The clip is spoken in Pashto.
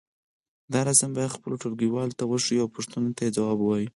دا رسم بیا خپلو ټولګيوالو ته وښیئ او پوښتنو ته یې ځواب ووایئ.